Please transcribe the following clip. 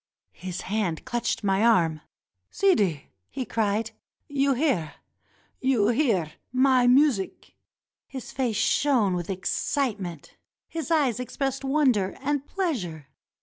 His hand clutched my arm. "Sidi!" he cried. "You hear! You hear! My mu sic!" His face shone with excitement; his eyes expressed wonder and pleasure.